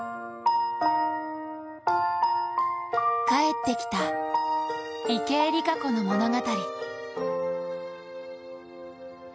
帰ってきた池江璃花子の物語。